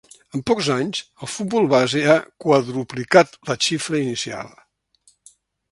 En pocs anys, el futbol base ha quadruplicat la xifra inicial.